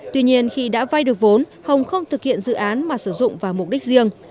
tuy nhiên khi đã vay được vốn hồng không thực hiện dự án mà sử dụng vào mục đích riêng